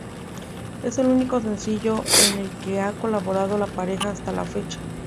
Es el único sencillo en el que ha colaborado la pareja hasta la fecha.